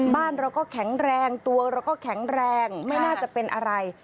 บ้านเราก็แข็งแรงตัวเราก็แข็งแรงไม่น่าจะเป็นอะไร